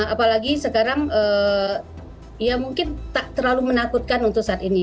apalagi sekarang ya mungkin tak terlalu menakutkan untuk saat ini